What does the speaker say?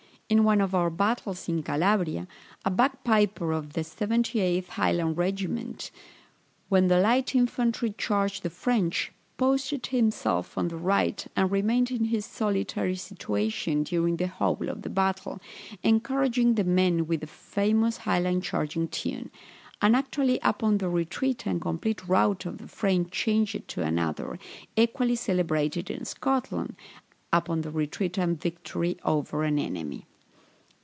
In one of our battles in Calabria, a bagpiper of the 78th Highland regiment, when the light infantry charged the French, posted himself on the right, and remained in his solitary situation during the whole of the battle, encouraging the men with a famous Highland charging tune; and actually upon the retreat and complete rout of the French changed it to another, equally celebrated in Scotland, upon the retreat of and victory over an enemy.